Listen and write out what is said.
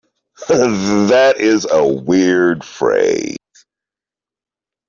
That is a weird phrase.